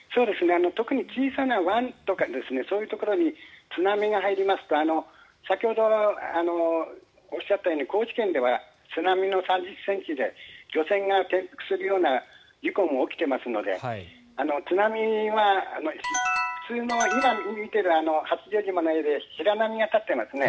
特に小さな湾とかそういうところに津波が入りますと先ほどおっしゃったように高知県では津波が３０ｃｍで漁船が転覆するような事故も起きてますので津波は今見ている八丈島の画で白波が立っていますね。